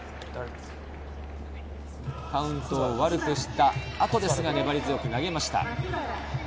カウントを悪くした後ですが、粘り強く投げました。